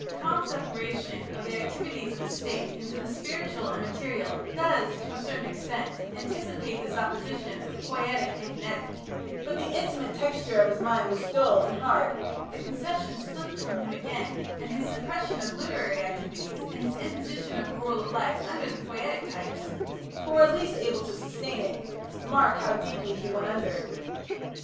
Comte's separation of the activities of a State into the spiritual and material does, to a certain extent, anticipate this opposition of poietic and kinetic, but the intimate texture of his mind was dull and hard, the conception slipped from him again, and his suppression of literary activities, and his imposition of a rule of life upon the poietic types, who are least able to sustain it, mark how deeply he went under.